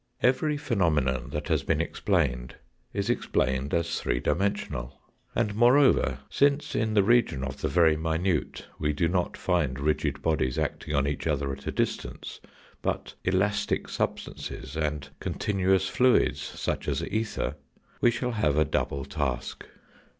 Every phenomenon that has been explained is explained as three dimensional. And, moreover, since in the region of the very minute we do not find rigid bodies acting on each other at a distance, but elastic substances and continuous fluids such as ether, we shall have a double task.